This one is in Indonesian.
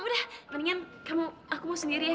udah mendingan aku mau sendiri ya